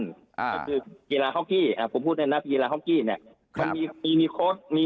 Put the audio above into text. ก็คือกีฬาฮอกกี้ผมพูดเนี่ยนักกีฬาฮอกกี้เนี่ย